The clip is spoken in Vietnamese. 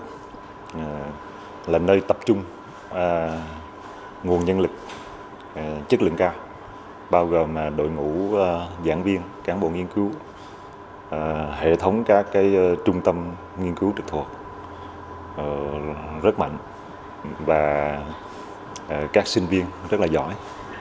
đại học quốc gia tp hcm là nơi tập trung nguồn nhân lực chất lượng cao bao gồm đội ngũ giảng viên cán bộ nghiên cứu hệ thống các trung tâm nghiên cứu trực thuộc rất mạnh và các sinh viên rất giỏi